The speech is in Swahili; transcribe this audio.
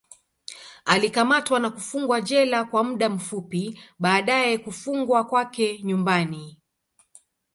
Alikamatwa na kufungwa jela kwa muda fupi, baadaye kufungwa kwake nyumbani.